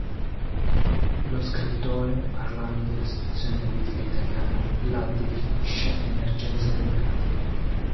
Lo scrittore parlando della situazione politica italiana la definisce "emergenza democratica".